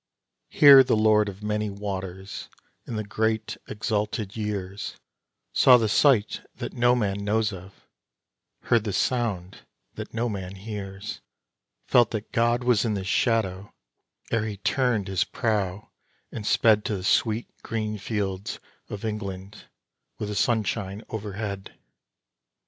Here the lord of many waters, in the great exalted years, Saw the sight that no man knows of heard the sound that no man hears Felt that God was in the Shadow ere he turned his prow and sped To the sweet green fields of England with the sunshine overhead.